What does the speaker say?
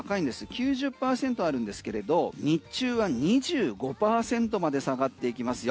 ９０％あるんですけれど日中は２５％まで下がっていきますよ。